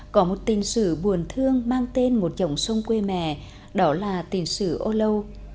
có một tình sự buồn thương mang tên một dòng sông quê mẹ đó là tình sự âu lâu